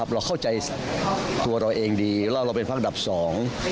เราเข้าใจตัวเราเองดีแล้วเราเป็นพักอันดับสอง